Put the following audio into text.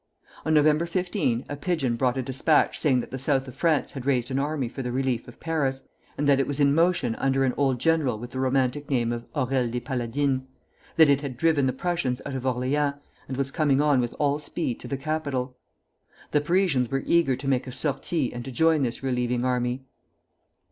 On November 15 a pigeon brought a despatch saying that the South of France had raised an army for the relief of Paris, and that it was in motion under an old general with the romantic name of Aurelles des Paladines, that it had driven the Prussians out of Orleans, and was coming on with all speed to the capital. The Parisians were eager to make a sortie and to join this relieving army.